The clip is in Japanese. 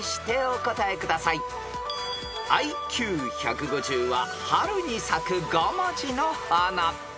［ＩＱ１５０は春に咲く５文字の花］